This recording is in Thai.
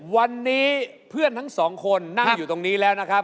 วันนี้เพื่อนทั้งสองคนนั่งอยู่ตรงนี้แล้วนะครับ